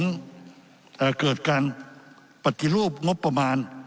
เกิดการปฏิรูปงบประมาณ